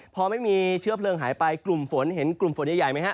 พอไม่มีเชื้อเพลิงหายไปกลุ่มฝนเห็นกลุ่มฝนใหญ่ไหมฮะ